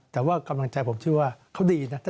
แต่ว่ากำลังใจผมชื่อว่าเขาดีนะ